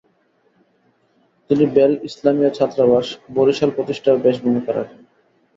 তিনি বেল ইসলামিয়া ছাত্রাবাস, বরিশাল প্রতিষ্ঠায়ও বিশেষ ভুমিকা রাখেন।